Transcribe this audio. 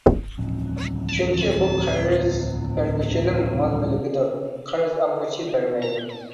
چۈنكى بۇ قەرز بەرگۈچىنىڭ مال-مۈلكىدۇر، قەرز ئالغۇچى بەرمەيدۇ.